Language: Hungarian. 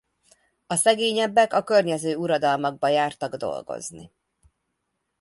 A szegényebbek a környező uradalmakba jártak dolgozni.